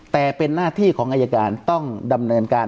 แต่เป็นหน้าที่ของอายการต้องดำเนินการ